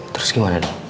terus gimana dong